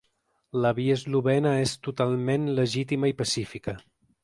La via eslovena és totalment legítima i pacífica.